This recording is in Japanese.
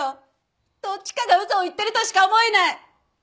どっちかが嘘を言ってるとしか思えない！